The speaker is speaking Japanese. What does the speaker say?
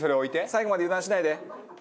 最後まで油断しないで。